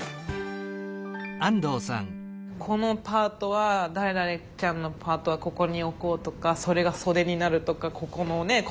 このパートは誰々ちゃんのパートはここに置こうとかそれが袖になるとかここのね腰のとこにくるとか。